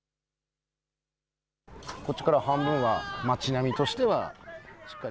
こっちから半分は町並みとしては。